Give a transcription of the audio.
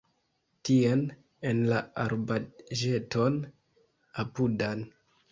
Tien, en la arbaĵeton apudan.